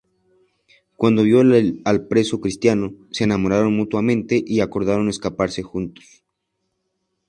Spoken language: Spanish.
Cuando vio al preso cristiano, se enamoraron mutuamente y acordaron escaparse juntos.